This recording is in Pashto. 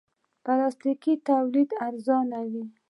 پلاستيکي تولید ارزانه وي.